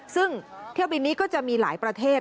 ซึ่งเที่ยวบินนี้ก็จะมีหลายประเทศ